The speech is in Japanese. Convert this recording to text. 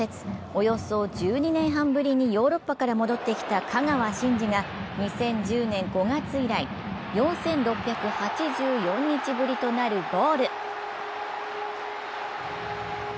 およそ１２年半ぶりにヨーロッパから戻ってきた香川真司が２０１０年５月以来、４６８４日ぶりとなるゴール。